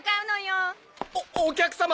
おお客様